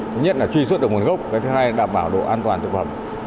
thứ nhất là truy xuất được nguồn gốc thứ hai là đảm bảo độ an toàn thực phẩm